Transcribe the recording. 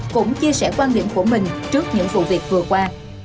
cũng chia sẻ quan điểm của mình trước những vụ việc vừa qua